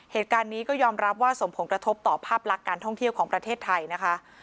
เหตุการณ์นี้ก็ยอมรับว่าสมผงกระทบต่อภาพลักษณ์การท่องเที่ยวของประเทศไทยนะคะ